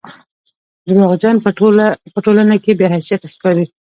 درواغجن په ټولنه کښي بې حيثيته ښکاري